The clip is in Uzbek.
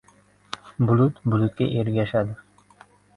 • Bulut bulutga ergashadi.